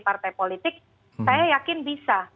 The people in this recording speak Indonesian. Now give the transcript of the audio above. partai politik saya yakin bisa